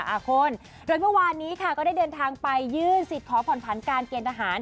อ่าคุณโดยเมื่อวานนี้ค่ะก็ได้เดินทางไปยื่นสิทธิ์ขอผ่อนผันการเกณฑ์ทหาร